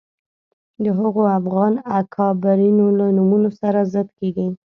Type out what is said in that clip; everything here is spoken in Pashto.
د هغو افغان اکابرینو له نومونو سره ضد کېږي